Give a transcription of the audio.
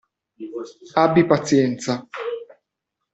Abbi pazienza.